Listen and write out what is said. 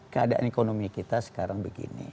keadaan ekonomi kita sekarang begini